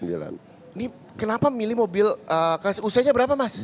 ini kenapa milih mobil usianya berapa mas